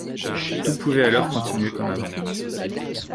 Tout pouvait alors continuer comme avant.